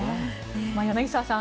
柳澤さん